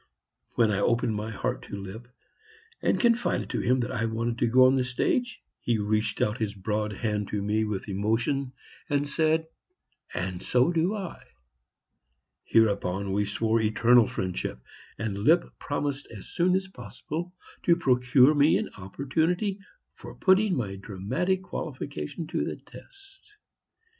When I opened my heart to Lipp and confided to him that I wanted to go on the stage, he reached out his broad hand to me with emotion and said, "And so do I." Hereupon we swore eternal friendship, and Lipp promised as soon as possible to procure me an opportunity for putting my dramatic qualifications to the test.